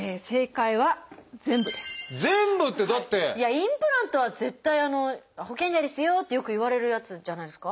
インプラントは絶対「保険外ですよ」ってよく言われるやつじゃないですか？